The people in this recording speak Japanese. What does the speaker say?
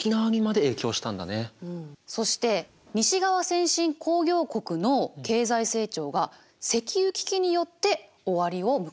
そして西側先進工業国の経済成長が石油危機によって終わりを迎えた。